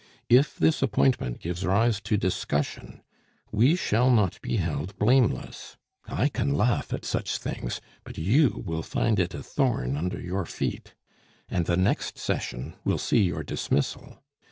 If this appointment gives rise to discussion, we shall not be held blameless. I can laugh at such things; but you will find it a thorn under your feet. And the next session will see your dismissal.